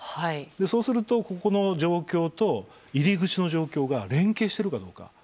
そうすると、ここの状況と入り口の状況が連携してるかどうか。